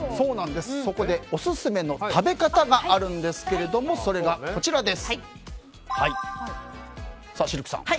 そこでオススメの食べ方があるんですけれどもそれが、シルクさん。